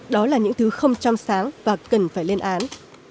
đó là những thứ không trong sáng và cần phải lên án